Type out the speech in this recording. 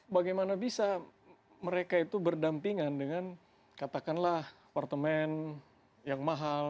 bagaimana bisa mereka itu berdampingan dengan katakanlah apartemen yang mahal